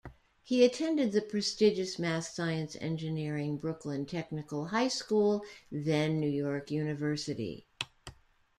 He attended the prestigious math-science-engineering Brooklyn Technical High School, then New York University.